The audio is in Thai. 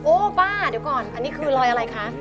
ป้าเดี๋ยวก่อนอันนี้คือรอยอะไรคะ